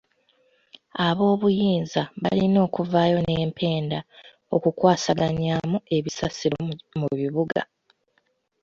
Ab'obuyinza balina okuvaayo n'empenda okukwasaganyaamu ebisasiro mu bibuga.